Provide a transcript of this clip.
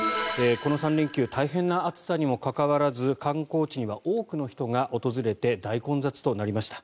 この３連休大変な暑さにもかかわらず観光地には多くの人が訪れて大混雑となりました。